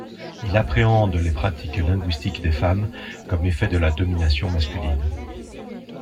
Il appréhende les pratiques linguistiques des femmes comme effets de la domination masculine.